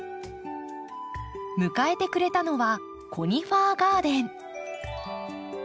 迎えてくれたのはコニファーガーデン。